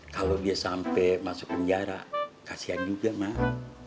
kalau dia sampai masuk penjara kasihan juga mah